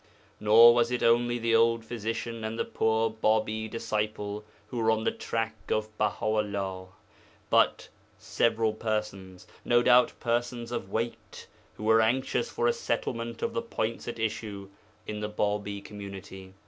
Nor was it only the old physician and the poor Bābī disciple who were on the track of Baha 'ullah, but 'several persons' no doubt persons of weight, who were anxious for a settlement of the points at issue in the Bābī community.